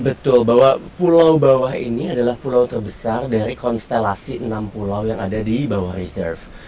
betul bahwa pulau bawah ini adalah pulau terbesar dari konstelasi enam pulau yang ada di bawah reserve